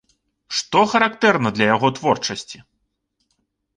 Што характэрна для яго творчасці?